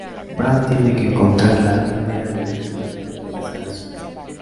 Brad tiene que encontrar la manera de destruirla y regresar a su mundo.